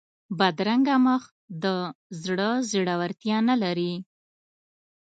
بدرنګه مخ د زړه زړورتیا نه لري